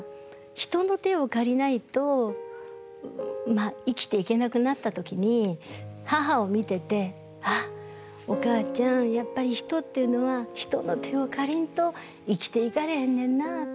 人の手を借りないと生きていけなくなった時に母を見てて「あっおかあちゃんやっぱり人っていうのは人の手を借りんと生きていかれへんねんな」って。